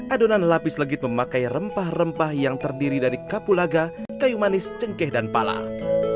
adonan lapis legit memakai rempah rempah yang terdiri dari kapulaga kayu manis cengkeh dan palang